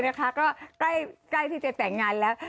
ได้นะค่ะก็ใกล้ที่จะแต่งงานแล้ว